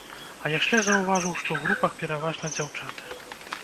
А яшчэ заўважыў, што ў групах пераважна дзяўчаты.